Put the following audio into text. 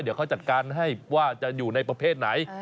เดี๋ยวเขาจัดการให้ว่าจะอยู่ในประเภทไหน